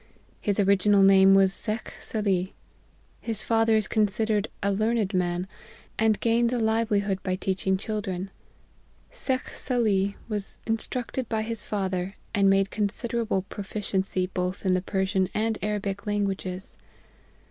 His original name was Shekh Salih. His father is considered a learned man, and gains a livelihood by teaching children. Shekh Salih was instructed by his father, and made considerable proficiency both in the Persian and Arabic languages.